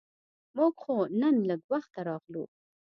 مونږ خو نن لږ وخته راغلو.